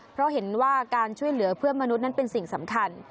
เพราะเห็นว่าการช่วยเหลือเพื่อนมนุษย์นั้นเป็นสิ่งสำคัญ